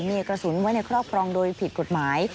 มีกระสุนไว้ในครอบครองโดยผิดกฎหมาย